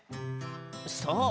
そう。